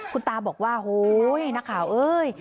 คุณตาบอกว่าโหยนักข่าวเอ้ย